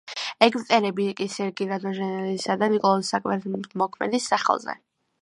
ეგვტერები კი სერგი რადონეჟელისა და ნიკოლოზ საკვირველთმოქმედის სახელზე.